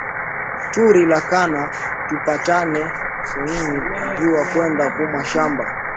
Turi lakana tupatane busubuyi njuya kwenda ku mashamba